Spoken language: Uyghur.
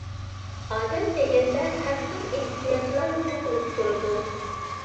ئادەم دېگەندە ھەر خىل ئېھتىياجلار تۇغۇلۇپ تۇرىدۇ.